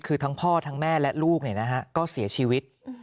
คือทั้งพ่อทั้งแม่และลูกก็เสียชีวิต